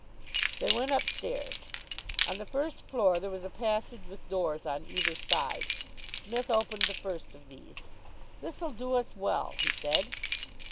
They went upstairs. On the first floor there was a passage with doors on either side. Psmith opened the first of these. "This'll do us well," he said.